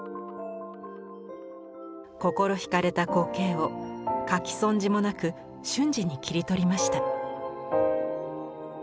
心ひかれた光景をかき損じもなく瞬時に切り取りました。